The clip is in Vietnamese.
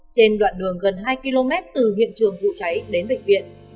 trên đoạn đường gần hai km từ hiện trường vụ cháy đến bệnh viện